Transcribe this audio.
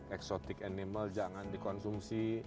exotic animal jangan dikonsumsi